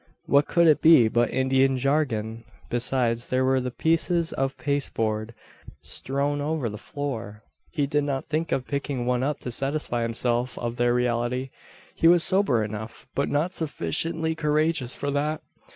What could it be but Indian jargon? Besides, there were the pieces of pasteboard strewn over the floor! He did not think of picking one up to satisfy himself of their reality. He was sober enough, but not sufficiently courageous for that.